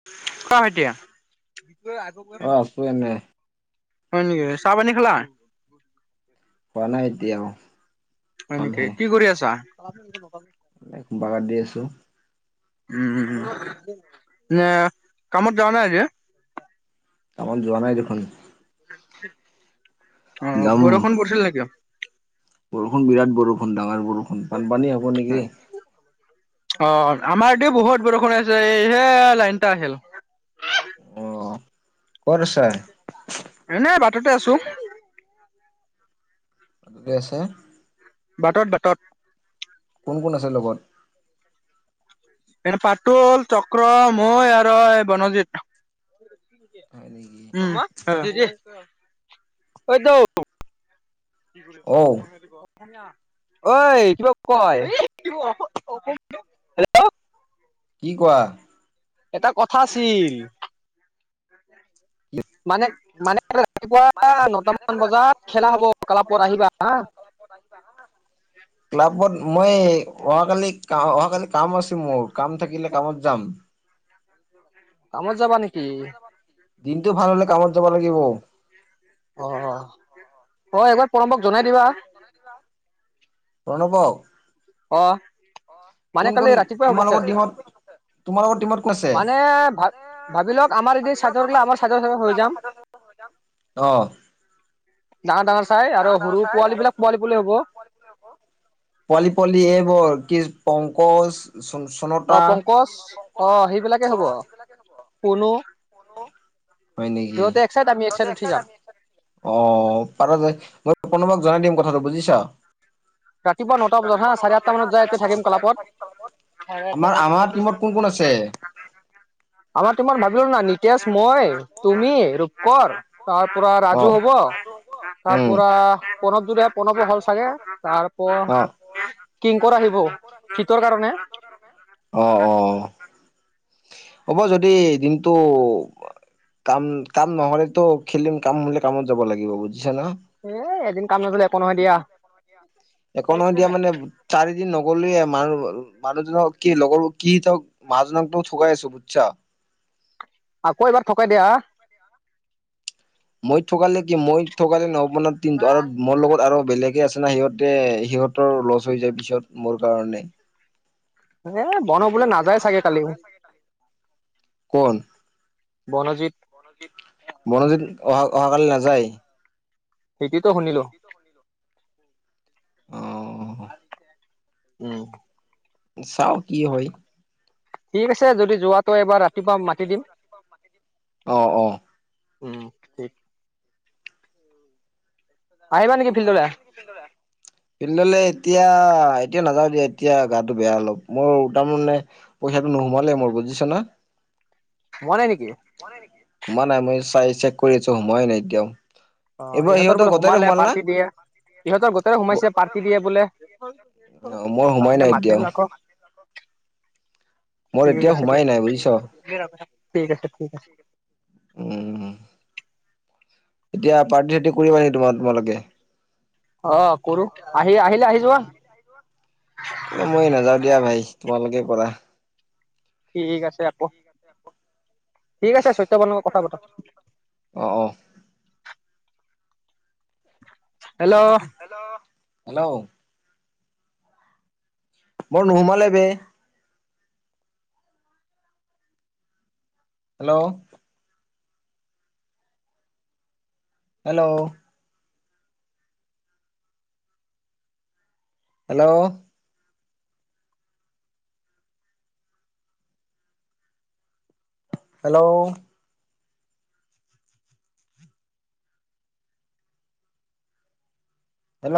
[unintelligible] এতিয়া [unintelligible] অ', আছো এনে। হয় নেকি, চাহ পানী খালা? খোৱা নাই এতিয়া আও হয় নেকি? খামহে কি কৰি আছা? বাগৰ দি আছো। উম, উম, উম এ কামত যোৱা নাই আজি? কামত যোৱা নাই দেখোন। অ', যাম বৰষুণ পৰিছিল নেকি? বৰষুণ বিৰাট বৰষুণ ডাঙৰ বৰষুণ বানপানী হ'ব নেকি! অ', আমাৰ এয়াতে বহুত বৰষুণ আছে এই লাইনটা আহিল। অ ক'ত আছা? এনেই বাটতে আছো। ক'তে আছা? বাটত বাটত। কোন কোন আছে লগত? এ ফাটুল চক্ৰ মই আৰু এ বনজিত। হয় নেকি? উম, অ'। অইটো। অঔ [inaudible] অই [unintelligible] কি কোৱা [inaudible] এটা কথা আছিল। মানে মানে কালিলে ৰাতিপুৱাৰ নটা মান বজাত খেলা হ'ব। কালাপুৰত আহিবা [inaudible] [inaudible] ক্লাবত মই অহাকালি অহাকালি কাম আছে মোৰ কাম থাকিলে কামত যাম। কামত যাবা নেকি? দিনটো ভাল হ'লে কামত যাব লাগিব। অ', অ', এবাৰ প্ৰণৱক জনাই দিবা। প্ৰণৱক? অ', মানে কোন কালি ৰাতিপুৱাই হ'ব খে তোমালোকৰ টিমত তোমালোকৰ টিমত কোন আছে মানে ভা ভাবি লওঁক আমাৰ এদিন [unintelligible] আমাৰ [unintelligible] [unintelligible] হৈ যাম। অ'। ডাঙৰ ডাঙৰ চাই আৰু সৰু পোৱালীবিলাক পোৱালি পোৱলি হ'ব। পোৱালি পোৱালি এইবোৰ কি পংকজ চনতা অ', পংকজ অ' সেইবিলাকে হ'ব পুনু। হয় নেকি সিহঁতে এক চাইড আমি এক চাইড উঠি যাম। অ', পাৰা যায়, মই প্ৰণৱক জনাই দিম কথাটো বুজিছা। ৰাতিপুৱা নটা বজাত হা চাৰে আঠটা মানত যায় এতিয়া থাকিম ক্লাবত। আমাৰ আমাৰ টিমত কোন কোন আছে? আমাৰ টিমত [unintelligible] না নিতেশ, মই, তুমি, ৰূপকোৱৰ তাৰ পৰা অ ৰাজু হ'ব তাৰ উম পৰা প্ৰণৱ [unintelligible] প্ৰণৱো হ'ল চাগে। তাৰ অ', কিংকৰ আহিব শীতৰ কাৰণে অ' অ'! হ'ব যদি, দিনটো কাম-কাম নহ'লেতো, খেলিম। কাম হ'লে, কামত যাব লাগিব বুজিছা ন'। এ, এদিন কাম নগ'লে, একো নহয়, দিয়া! একো নহয়, দিয়া মানে, চাৰিদিন নগ'লোৱে। [unintelligible] মানুহজনক কি, লগৰ কি, তোক মানুহজনকটো ঠগাই আছোঁ, বুজিছা! আকৌ, এবাৰ ঠগাই দিয়া। মই ঠগালে কি, মই ঠগালে নহ'ব, নহয়। [unintelligible] আৰু মোৰ লগত আৰু বেলেগে আছে না, সিহঁতে, সিহঁতৰ লষ্ট হৈ যায়, পিছত মোৰ কাৰণে। এ, বন্ধ হ'ব বোলে, নাযায় চাগে, কালিও। কোন? মনোজিত। মনোজিত অহা, অহাকালি নাযায়। [unintelligible] শুনিলোঁ। অ উম! চাওঁ, কি হয়! ঠিক আছে, যদি যোৱাটো, এবাৰ ৰাতিপুৱা মাতি দিম। অ' অ'! উম ঠিক আহিবা নেকি ফিল্ডলে? [unintelligible] ফিল্ডলে এতিয়া, এতিয়া নাযাওঁ দিয়া। এতিয়া, গাটো বেয়া, অলপ! মোৰ তাৰমানে, পইচাটো, নোসোমালে মোৰ, বুজিছা নহয়। সোমোৱাই নাই নেকি? সোমোৱা নাই। মই চাই, চেক কৰিছোঁ, সোমোৱাই নাই এতিয়াও। অ'! এইবাৰ ইহঁতৰ সিহঁতৰ বোলে, গোটেইৰে সোমালে, সোমাল না পাৰ্টি দিয়ে। সিহঁতৰ গোটৰে সোমাইছে, পাৰ্টি দিয়ে বোলে। অ মোৰ সোমাই নাই [unintelligible] এতিয়াও মাতিল আকৌ। মোৰ ঠিক এতিয়াও আছে সোমাই দিয়া, নাই বুজিছ ঠিক আছে, ঠিক আছে। উম! এতিয়া, পাৰ্টি- চাৰ্টি কৰিবা নেকি, [unintelligible] তোমালোকে? অ'! ‌কৰোঁ। আহি, আহিলে আহি যোৱা। এ মই নাযাওঁ দিয়া, ভাই। তোমালোকে কৰা। ঠিক আছে, আকৌ [inaudible] ঠিক আছে, চৈত্যবানৰ লগত কথা পতা। অ' অ'! হেল্ল'? অ'! হেল্ল'? মোৰ নোসোমালে, বে। Hello? Hello? Hello? Hello? Hello?